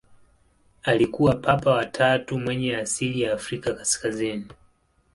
Alikuwa Papa wa tatu mwenye asili ya Afrika kaskazini.